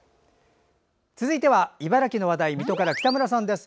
続いては茨城の話題水戸から北村さんです。